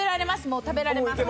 もう食べられます。